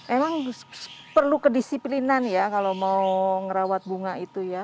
emang perlu kedisiplinan ya kalau mau ngerawat bunga itu ya